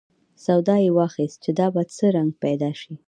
سودا یې واخیست چې دا به څه رنګ پیدا شي.